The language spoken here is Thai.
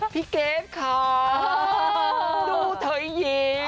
พี่เกฟค่ะดูเธอยิ้ม